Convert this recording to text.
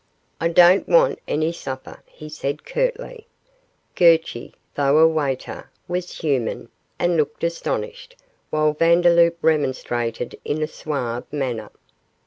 'I don't want any supper,' he said, curtly. Gurchy, though a waiter, was human, and looked astonished, while Vandeloup remonstrated in a suave manner.